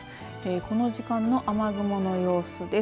この時間の雨雲の様子です。